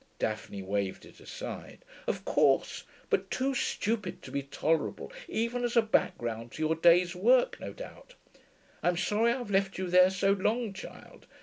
Daphne waved it aside. 'Of course. But too stupid to be tolerable, even as a background to your day's work, no doubt. I'm sorry I've left you there so long, child.